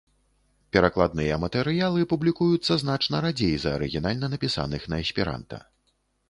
Перакладныя матэрыялы публікуюцца значна радзей за арыгінальна напісаных на эсперанта.